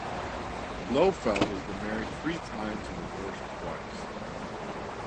Blofeld has been married three times and divorced twice.